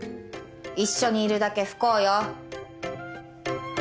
一緒にいるだけ不幸よ。